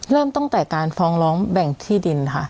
เริ่มตั้งแต่การฟ้องร้องแบ่งที่ดินค่ะ